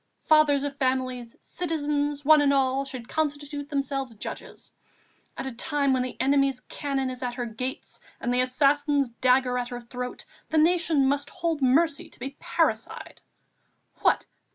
Fathers of families, citizens, one and all, should constitute themselves judges. At a time when the enemy's cannon is at her gates and the assassin's dagger at her throat, the Nation must hold mercy to be parricide. What!